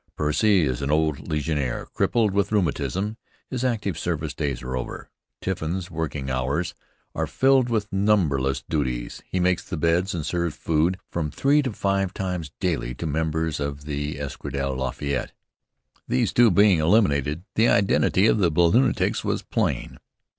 Percy is an old légionnaire, crippled with rheumatism. His active service days are over. Tiffin's working hours are filled with numberless duties. He makes the beds, and serves food from three to five times daily to members of the Escadrille Lafayette. These two being eliminated, the identity of the balloonatics was plain.